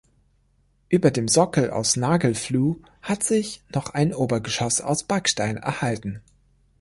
Über dem Sockel aus Nagelfluh hat sich noch ein Obergeschoss aus Backstein erhalten.